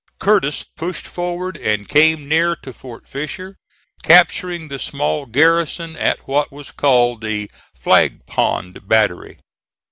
Curtis pushed forward and came near to Fort Fisher, capturing the small garrison at what was called the Flag Pond Battery.